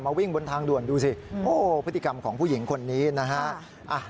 วิ่งบนทางด่วนดูสิโอ้พฤติกรรมของผู้หญิงคนนี้นะฮะ